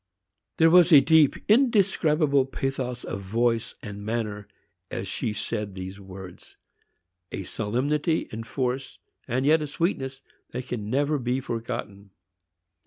There was a deep, indescribable pathos of voice and manner as she said these words,—a solemnity and force, and yet a sweetness, that can never be forgotten.